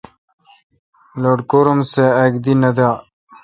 لٹکور ام سہ اک دی نہ دا۔